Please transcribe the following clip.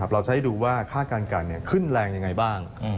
เราจะให้ดูว่าค่าการกันขึ้นแรงยังไงบ้าง